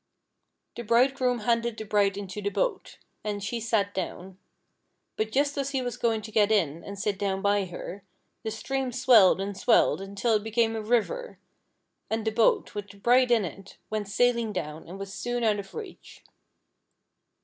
The Bridegroom handed the bride into the boat, and she sat down ; but just as he was going to get in and sit down by her, the stream swelled and swelled until it became a river, and the boat, with the bride in it, went sailing down, and was soon out of reach.